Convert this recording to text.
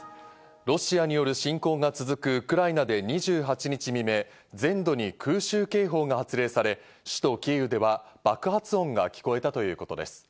ロシアによる侵攻が続くウクライナで２８日に未明、全土に空襲警報が発令され、首都キーウでは爆発音が聞こえたということです。